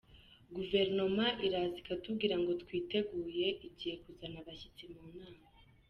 Guverinoma iraza ikatubwira ngo twitegure igiye kuzana abashyitsi mu nama.